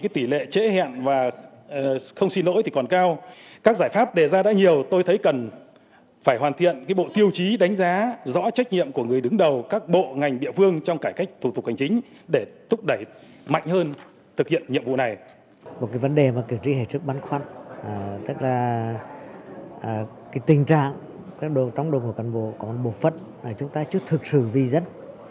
tức là tình trạng trong đồng hồ cần bộ còn bột phất chúng ta chưa thực sự vi dân